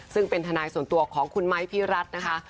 ซึ่งเป็นทนายส่วนตัวของคุณไม้พี่รัฐนะคะ